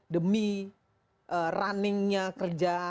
demi runningnya kerja